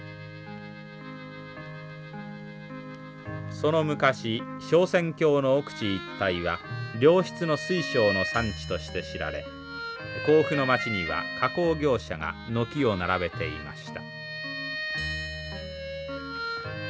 その昔昇仙峡の奥地一帯は良質の水晶の産地として知られ甲府の町には加工業者が軒を並べていました。